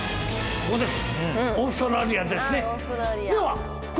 これです。